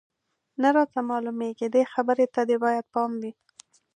نه راته معلومېږي، دې خبرې ته دې باید پام وي.